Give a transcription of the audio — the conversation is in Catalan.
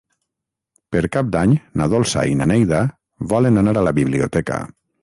Per Cap d'Any na Dolça i na Neida volen anar a la biblioteca.